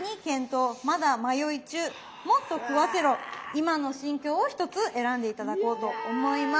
今の心境を１つ選んで頂こうと思います。